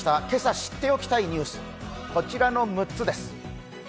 今朝知っておきたいニュースこちらの６つです。